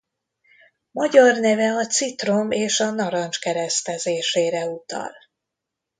Magyar neve a citrom és a narancs keresztezésére utal.